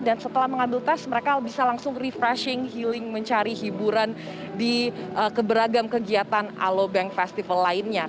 dan setelah mengambil tes mereka bisa langsung refreshing healing mencari hiburan di beragam kegiatan alo bank festival lainnya